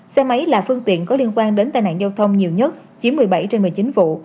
xe máy là phương tiện có liên quan đến tai nạn giao thông nhiều nhất chiếm một mươi bảy trên một mươi chín vụ